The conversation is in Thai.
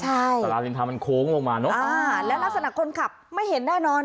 ใช่สาราริมทางมันโค้งลงมาเนอะอ่าและลักษณะคนขับไม่เห็นแน่นอน